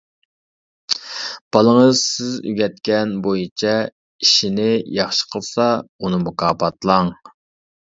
بالىڭىز سىز ئۆگەتكەن بويىچە ئىشنى ياخشى قىلسا، ئۇنى مۇكاپاتلاڭ.